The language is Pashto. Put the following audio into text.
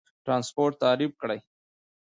ترانسپورت تعریف کړئ.